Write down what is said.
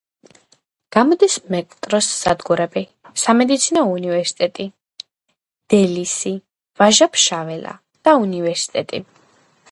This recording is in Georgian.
გამოდის მეტროს სადგურები: „სამედიცინო უნივერსიტეტი“, „დელისი“, „ვაჟა-ფშაველა“ და „უნივერსიტეტი“.